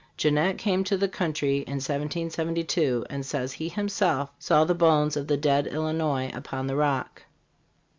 Jennette came to the country in 1772 and says he himself saw the bones of the dead Illinois upon the Rock.